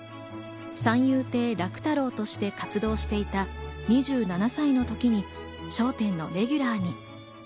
三遊亭楽太郎として活動していた２７歳の時に『笑点』のレギュラーに。